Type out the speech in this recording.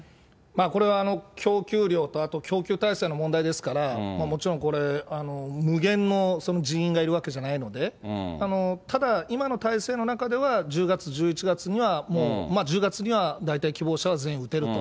これは供給量と、あと供給体制の問題ですから、もちろん、無限の人員がいるわけじゃないので、ただ、今の体制の中では、１０月、１１月にはもう、まあ１１月には、大体希望者は全員打てると。